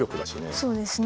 そうですね。